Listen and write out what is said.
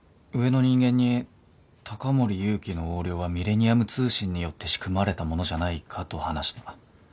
上の人間に高森勇気の横領がミレニアム通信によって仕組まれたものじゃないかと話した。